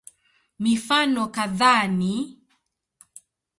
Mifano kadhaa ni